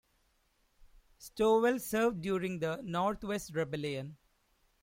Stovel served during the North-West Rebellion.